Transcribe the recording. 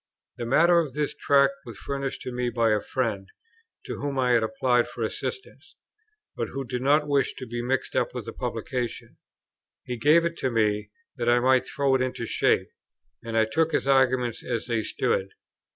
The matter of this Tract was furnished to me by a friend, to whom I had applied for assistance, but who did not wish to be mixed up with the publication. He gave it me, that I might throw it into shape, and I took his arguments as they stood.